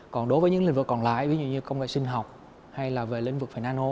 còn đối với những lĩnh vực còn lại ví dụ như công nghệ sinh học hay là về lĩnh vực về nano